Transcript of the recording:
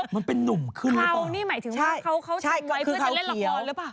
เดี๋ยว